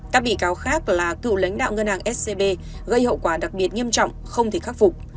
các bị cáo khác là cựu lãnh đạo ngân hàng scb gây hậu quả đặc biệt nghiêm trọng không thể khắc phục